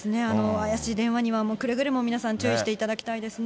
怪しい電話にはくれぐれも皆さん注意していただきたいですね。